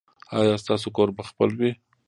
ایا ستاسو کور به خپل وي؟